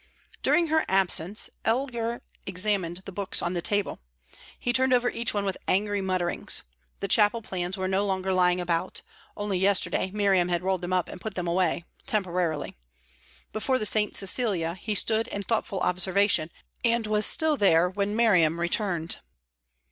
During her absence, Elgar examined the books on the table. He turned over each one with angry mutterings. The chapel plans were no longer lying about; only yesterday Miriam had rolled them up and put them away temporarily. Before the "St. Cecilia" he stood in thoughtful observation, and was still there when Miriam returned.